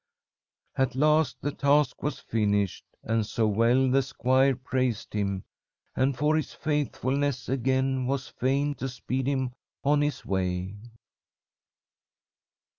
At last the task was finished, and so well the squire praised him, and for his faithfulness again was fain to speed him on his way.